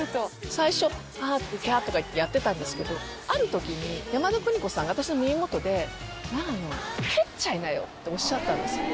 最初「あーっキャーッ」とか言ってやってたんですけどある時に山田邦子さんが私の耳元で「長野蹴っちゃいなよ」っておっしゃったんですよ